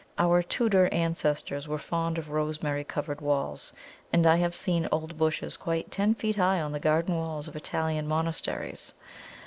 Our Tudor ancestors were fond of Rosemary covered walls, and I have seen old bushes quite ten feet high on the garden walls of Italian monasteries.